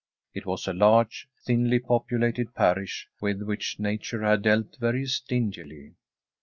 It was a large, thinly populated parish, with which Nature had dealt very stingily.